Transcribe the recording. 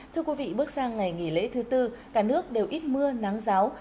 thưa quý vị bước sang ngày nghỉ lễ thứ tư cả nước đều ít mưa nắng giáo